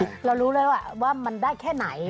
เรารู้แล้วว่ามันได้แค่ไหน